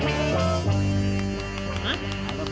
akhirnya kaya bener